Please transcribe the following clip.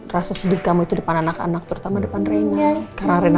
rasa sedih kamu itu depan anak anak terutama depan reina karena reina